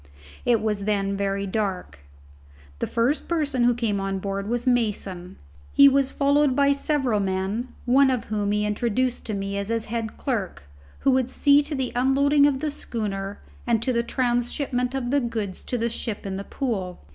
It was then very dark. The first person to come on board was Mason. He was followed by several men, one of whom he introduced to me as his head clerk, who would see to the unloading of the schooner and to the transhipment of the goods to the ship in the Pool.